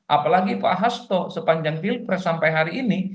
apalagi pak hasto sepanjang pilpres sampai hari ini